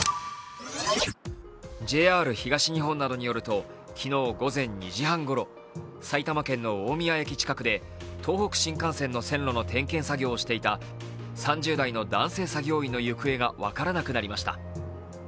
ＪＲ東日本などによりますと昨日午前２時半ごろ埼玉県の大宮駅近くで東北新幹線の線路の点検作業をしていた３０代の男性作業員の行方が分からなくなりました。